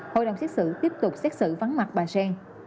hội đồng xét xử tiếp tục xét xử vắng mặt bà sen